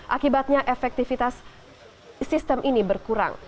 akibatnya efektivitas sistem ini berkurang